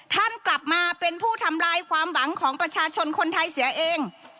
ท่านกลับมาเป็นผู้ทำลายความหวังของประชาชนคนไทยเสียเอง